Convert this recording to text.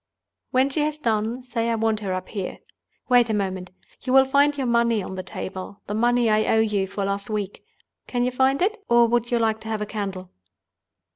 "When she has done, say I want her up here. Wait a moment. You will find your money on the table—the money I owe you for last week. Can you find it? or would you like to have a candle?"